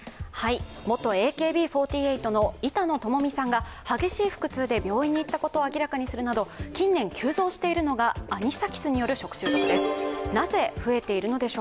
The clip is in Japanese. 元ＡＫＢ４８の板野友美さんが激しい腹痛で病院に行ったことを明らかにするなど、近年急増しているのがアニサキスによる食中毒です。